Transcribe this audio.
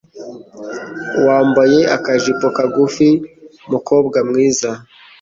wambaye akajipo kagufi mukobwa mwiza